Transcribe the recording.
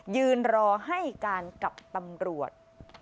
ยืนรอให้การกับตำรวจ